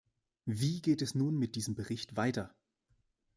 Wie geht es nun mit diesem Bericht weiter?